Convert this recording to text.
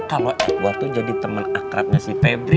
kalau edward tuh jadi temen akrabnya si febri